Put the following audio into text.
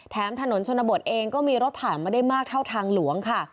ถนนชนบทเองก็มีรถผ่านมาได้มากเท่าทางหลวงค่ะ